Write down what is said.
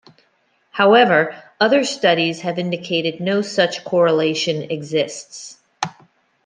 However, other studies have indicated no such correlation exists.